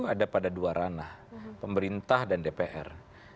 ada pada dua ranah pemerintah dan dpr